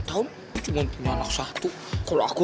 sampai jumpa lagi